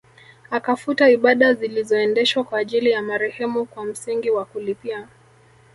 Akafuta ibada zilizoendeshwa kwa ajili ya marehemu kwa msingi wa kulipia